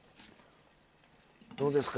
どうですか？